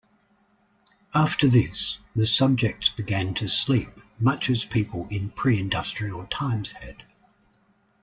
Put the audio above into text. After this the subjects began to sleep much as people in pre-industrial times had.